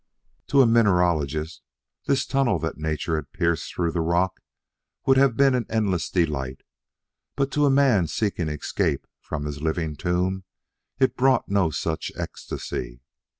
To a mineralogist this tunnel that nature had pierced through the rock would have been an endless delight, but to a man seeking escape from his living tomb it brought no such ecstasy.